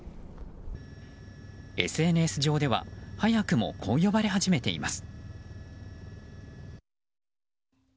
ＳＮＳ上では早くもこう呼ばれ始めています。